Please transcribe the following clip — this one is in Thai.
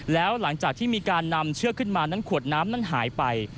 แล้วหลังจากที่มีการนำเชือกขึ้นมานั้นขวดน้ำนั้นหายไป